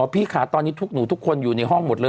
พี่ค่ะตอนนี้ทุกหนูทุกคนอยู่ในห้องหมดเลย